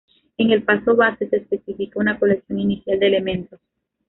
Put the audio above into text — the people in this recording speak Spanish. En el paso base se especifica una colección inicial de elementos.